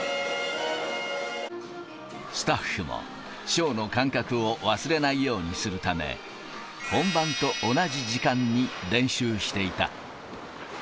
スタッフも、ショーの感覚を忘れないようにするため、本番と同じ時間に練習していた。